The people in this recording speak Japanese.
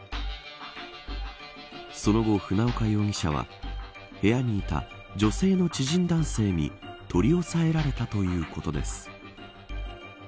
その後、船岡容疑者は部屋にいた女性の知人男性に取り押さえられたということです。